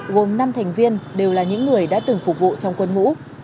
hai nghìn ba gồm năm thành viên đều là những người đã từng phục vụ trong quân ngũ